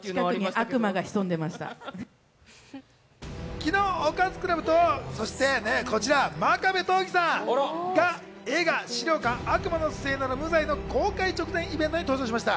昨日、おかずクラブとこちら真壁刀義さんが映画『死霊館悪魔のせいなら、無罪。』の公開直前イベントに登場しました。